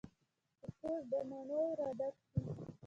شکور د مڼو را ډک شي